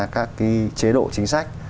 các chế độ chính sách